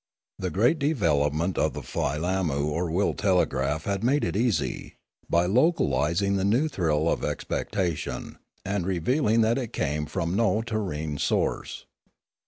The great development of the filammu or will telegraph had made it easy, by localising the new thrill of expectation, and revealing that it came from no terrene source.